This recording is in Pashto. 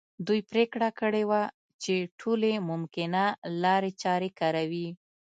دوی پرېکړه کړې وه چې ټولې ممکنه لارې چارې کاروي.